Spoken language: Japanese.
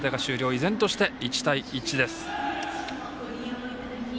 依然として１対１です。